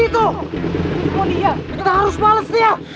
kita tak harus balas ni yah